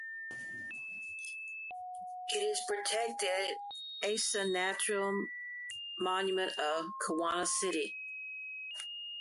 It is protected asa Natural Monument of Kuwana City.